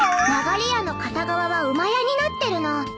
曲り家の片側はうまやになってるの。